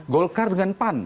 golkar dengan pan